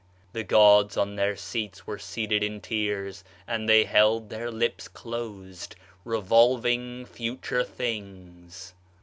The gods on their seats were seated in tears, and they held their lips closed, [revolving] future things.